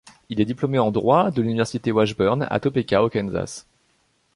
Il est diplômé en droit de l'université Washburn à Topeka, au Kansas.